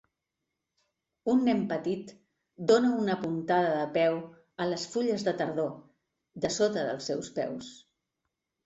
Un nen petit dóna una puntada de peu a les fulles de tardor de sota dels seus peus.